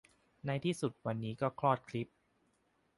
ในที่สุดวันนี้ก็คลอดคลิป